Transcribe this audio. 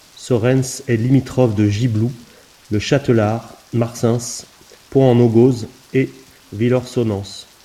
Sorens est limitrophe de Gibloux, Le Châtelard, Marsens, Pont-en-Ogoz et Villorsonnens.